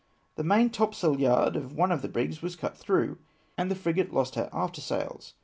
The maintopsailyard of one of the brigs was cut through, and the frigate lost her aftersails.